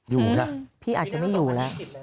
อยู่นะพี่นั่ง๓๐ปีแล้วไปอีก๓๐ปีพี่อาจจะไม่อยู่แล้ว